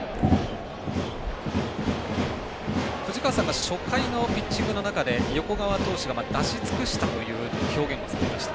藤川さんが初回のピッチングの中で横川投手が出し尽くしたという表現をされました。